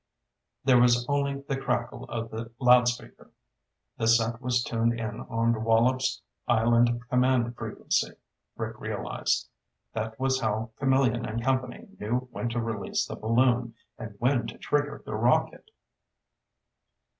There was only the crackle of the loudspeaker. The set was tuned in on the Wallops Island command frequency, Rick realized. That was how Camillion and company knew when to release the balloon, and when to trigger the rocket!